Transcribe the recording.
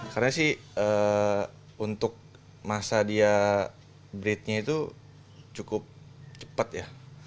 karena sih untuk masa dia breednya itu cukup cepat ya